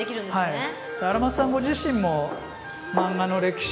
はい。